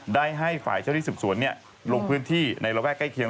ได้ให้ฝ่ายเจ้าที่สืบสวนลงพื้นที่ในระแวกใกล้เคียง